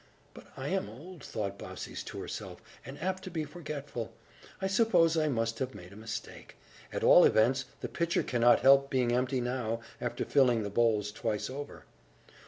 "But I am old," thought Baucis to herself, "and apt to be forgetful I suppose I must have made a mistake. At all events, the pitcher cannot help being empty now, after filling the bowls twice over."